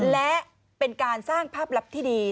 และเป็นการสร้างภาพลับที่ดี